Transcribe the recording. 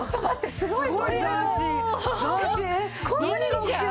すごいよ！